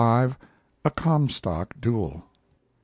XLV. A COMSTOCK DUEL.